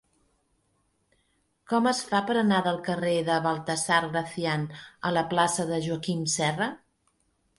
Com es fa per anar del carrer de Baltasar Gracián a la plaça de Joaquim Serra?